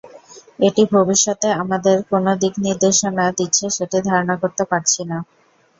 এটি ভবিষ্যতে আমাদের কোনো দিক নির্দেশনা দিচ্ছে, সেটি ধারণা করতে পারছি না।